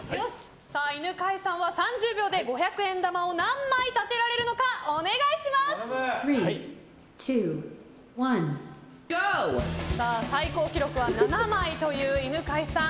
犬飼さんは３０秒で五百円玉を何枚立てられるのか最高記録は７枚という犬飼さん。